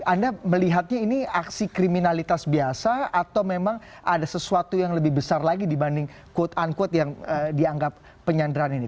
anda melihatnya ini aksi kriminalitas biasa atau memang ada sesuatu yang lebih besar lagi dibanding quote unquote yang dianggap penyanderaan ini